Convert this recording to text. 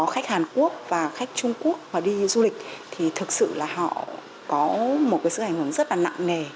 khách hàn quốc và khách trung quốc mà đi du lịch thì thực sự là họ có một cái sự ảnh hưởng rất là nặng nề